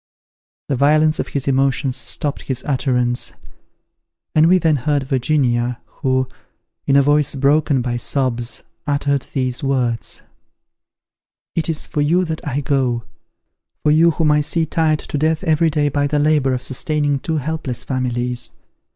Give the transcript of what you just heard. The violence of his emotions stopped his utterance, and we then heard Virginia, who, in a voice broken by sobs, uttered these words: "It is for you that I go, for you whom I see tired to death every day by the labour of sustaining two helpless families.